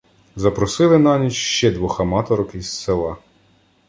Запросили на ніч ще двох "аматорок" із села.